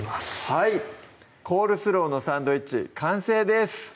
はい「コールスローのサンドイッチ」完成です